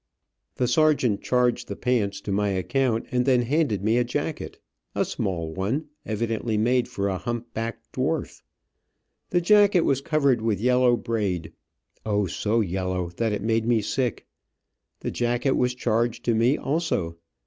The sergeant charged the pants to my account, and then handed me a jacket, a small one, evidently made for a hump backed dwarf. The jacket was covered with yellow braid. O, so yellow, that it made me sick. The jacket was charged to me, also.